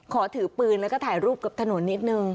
ถือปืนแล้วก็ถ่ายรูปกับถนนนิดนึง